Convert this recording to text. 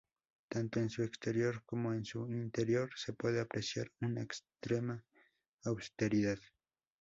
Tanto en su exterior como en su interior se puede apreciar una extrema austeridad.